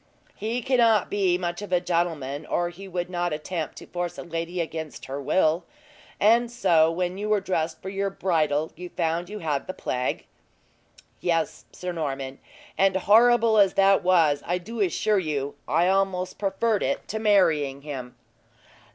"He cannot be much of a gentleman, or he would not attempt to force a lady against her will. And so, when you were dressed for your bridal, you found you had the plague?" "Yes, Sir Norman; and horrible as that was I do assure you I almost preferred it to marrying him."